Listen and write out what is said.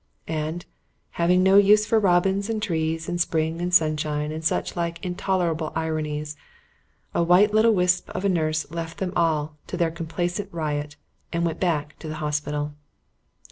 And having no use for robins and trees and spring and sunshine and such like intolerable ironies, a white little wisp of a nurse left them all to their complacent riot and went back to the hospital.